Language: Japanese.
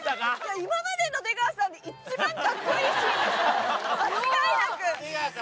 今までの出川さんで、一番かっこいいシーン。